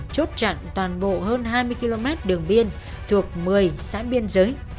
chốt chặn toàn bộ hơn hai mươi km đường biên thuộc một mươi xã biên giới